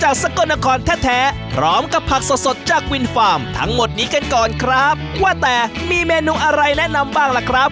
หมดนี้กันก่อนครับว่าแต่มีเมนูอะไรแนะนำบ้างล่ะครับ